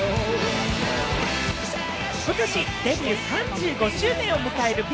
ことしデビュー３５周年を迎えるＢ